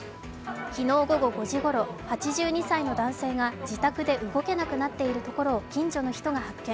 昨日午後５時ごろ、８２歳の男性が自宅で動けなくなっているところを近所の人が発見。